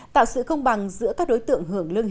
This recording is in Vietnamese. tạo sự không bằng giữa các đối tượng